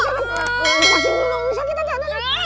masih sakit tante